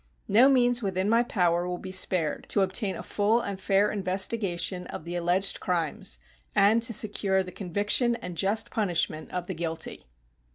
No means within my power will be spared to obtain a full and fair investigation of the alleged crimes and to secure the conviction and just punishment of the guilty.